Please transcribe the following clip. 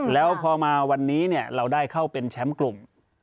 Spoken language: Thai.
แล้วพอมาวันนี้เราได้เข้าเป็นแชมป์กลุ่ม